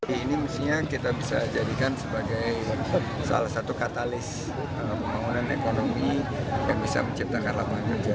ini mestinya kita bisa jadikan sebagai salah satu katalis pembangunan ekonomi yang bisa menciptakan lapangan kerja